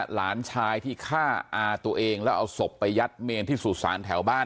หลานชายที่ฆ่าอาตัวเองแล้วเอาศพไปยัดเมนที่สุสานแถวบ้าน